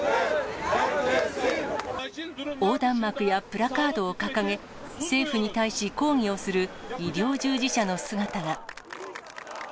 横断幕やプラカードを掲げ、政府に対し抗議をする医療従事者の姿が。